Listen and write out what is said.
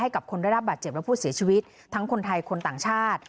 กับคนได้รับบาดเจ็บและผู้เสียชีวิตทั้งคนไทยคนต่างชาติ